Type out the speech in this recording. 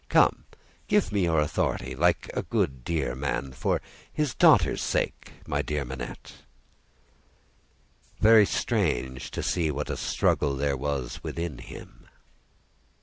Come! Give me your authority, like a dear good man. For his daughter's sake, my dear Manette!" Very strange to see what a struggle there was within him!